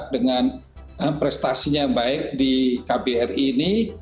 dengan prestasinya baik di kbri ini